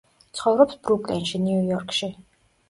ცხოვრობს ბრუკლინში, ნიუ-იორკში.